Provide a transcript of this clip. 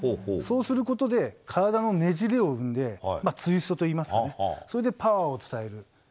そうすることで体のねじれを生んでツイストといいますがそれでパワーを伝える。